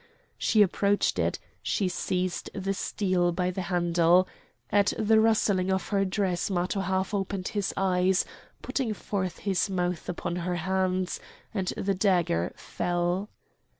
She approached it; she seized the steel by the handle. At the rustling of her dress Matho half opened his eyes, putting forth his mouth upon her hands, and the dagger fell.